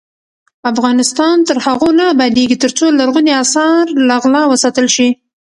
افغانستان تر هغو نه ابادیږي، ترڅو لرغوني اثار له غلا وساتل شي.